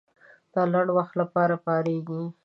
د لنډ وخت لپاره پارېږي.